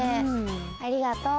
ありがとう。